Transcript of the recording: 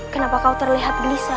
kenapa kau terlihat gelisah